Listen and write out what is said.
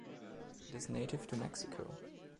It is native to Mexico.